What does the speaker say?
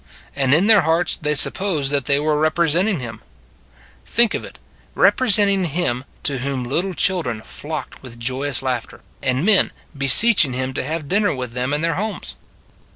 And in their hearts they supposed that they were rep resenting Him, Think of it representing Him, to whom little children flocked with joyous laughter, and men, beseeching Him to have dinner with them in their homes.